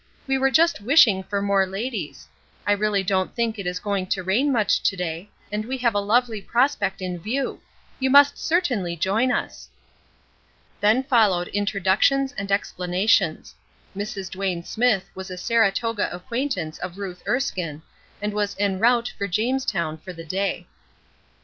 We were just wishing for more ladies. I really don't think it is going to rain much to day, and we have a lovely prospect in view. You must certainly join us." Then followed introductions and explanations, Mrs. Duane Smithe was a Saratoga acquaintance of Ruth Erskine, and was en route for Jamestown for the day.